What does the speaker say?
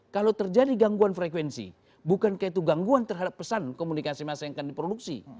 kalau terjadi gangguan frekuensi bukan kaitu gangguan terhadap pesan komunikasi massa yang akan diproduksi